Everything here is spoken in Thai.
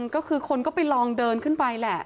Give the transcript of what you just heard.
ก็คือคนก็ไปลองเดินขึ้นไปแหละ